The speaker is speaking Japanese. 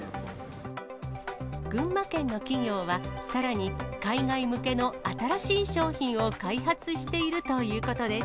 群馬県の企業は、さらに海外向けの新しい商品を開発しているということです。